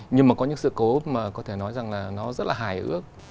nhưng mà có những sự cố mà có thể nói rằng là nó rất là hài ước